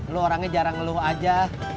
lu orangnya jarang ngeluh aja